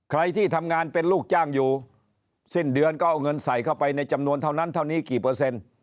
ใครที่ทำงานเป็นลูกจ้างอยู่สิ้นเดือนก็เอาเงินใส่เข้าไปในจำนวนเท่านั้นเท่านี้กี่เปอร์เซ็นต์